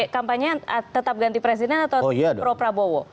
kampanye tetap ganti presiden atau pro prabowo